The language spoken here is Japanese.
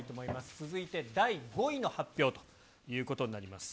続いて第５位の発表ということになります。